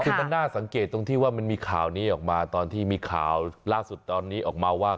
คือมันน่าสังเกตตรงที่ว่ามันมีข่าวนี้ออกมาตอนที่มีข่าวล่าสุดตอนนี้ออกมาว่า